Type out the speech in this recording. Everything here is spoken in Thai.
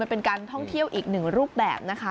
เป็นการท่องเที่ยวอีกหนึ่งรูปแบบนะคะ